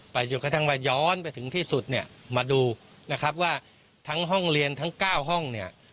ไปอยู่กระทั่งวาย้อนไปถึงที่สุดมาดูว่าทั้งห้องเรียนทั้ง๙ห้อง